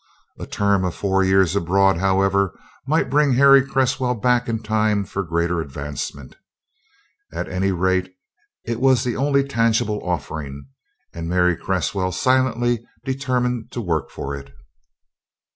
A term of four years abroad, however, might bring Harry Cresswell back in time for greater advancement. At any rate, it was the only tangible offering, and Mary Cresswell silently determined to work for it.